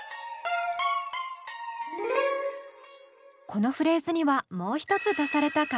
このフレーズにはもう一つ足された隠し味が。